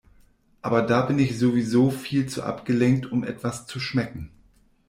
Aber da bin ich sowieso viel zu abgelenkt, um etwas zu schmecken.